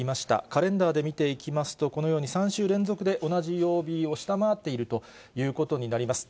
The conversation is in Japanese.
カレンダーで見ていきますと、このように３週連続で同じ曜日を下回っているということになります。